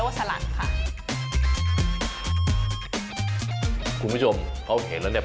เอาล่ะเดินทางมาถึงในช่วงไฮไลท์ของตลอดกินในวันนี้แล้วนะครับ